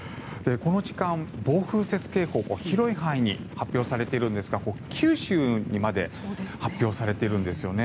この時間、暴風雪警報広い範囲に発表されているんですが九州にまで発表されているんですよね。